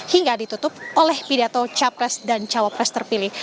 hingga ditutup oleh pidato capres dan cawapres terpilih